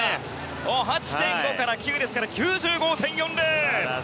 ８．５から９ですから９５．４０！